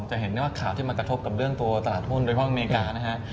จะเห็นได้ว่าข่าวที่มันกระทบกับเรื่องตัวตลาดหุ้นโดยเฉพาะอเมริกานะฮะ